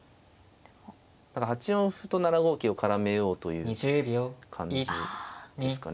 ８四歩と７五桂を絡めようという感じですかね。